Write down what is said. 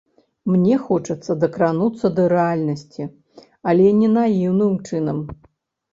Мне хочацца дакрануцца да рэальнасці, але не наіўным чынам.